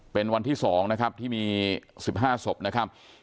เป็นวันที่๒นะครับที่มี๑๕ศพนะครับ